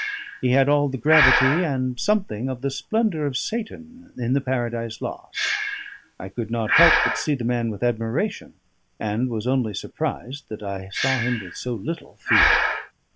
He had all the gravity and something of the splendour of Satan in the "Paradise Lost." I could not help but see the man with admiration, and was only surprised that I saw him with so little fear.